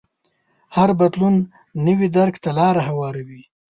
هر بدلون نوي درک ته لار هواروي.